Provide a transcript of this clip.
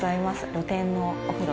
露天のお風呂。